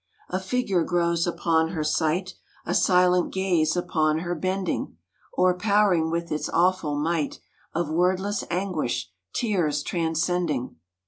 A figure grows upon her sight, A silent gaze upon her bending, Overpowering with its awful might Of wordless anguish, tears transcending.